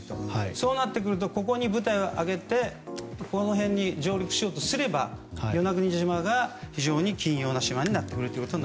そうなってくるとここに部隊を上げてこの辺に上陸しようとすれば与那国島が非常に緊要な島になってくると。